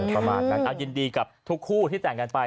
ประมาณนั้นยินดีกับทุกคู่ที่แต่งกันไป